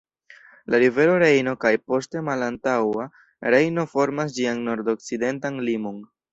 La rivero Rejno kaj poste Malantaŭa Rejno formas ĝian nordokcidentan limon.